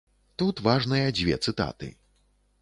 Тут важныя дзве цытаты.